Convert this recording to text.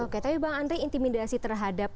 oke tapi bang andre intimidasi terhadap